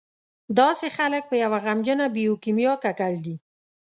داسې خلک په یوه غمجنه بیوکیمیا ککړ دي.